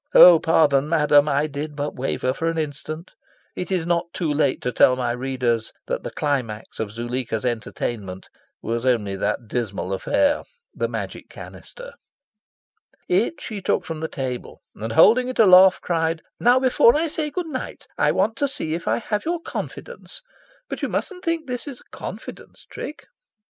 Oh pardon, madam: I did but waver for an instant. It is not too late to tell my readers that the climax of Zuleika's entertainment was only that dismal affair, the Magic Canister. It she took from the table, and, holding it aloft, cried "Now, before I say good night, I want to see if I have your confidence. But you mustn't think this is the confidence trick!"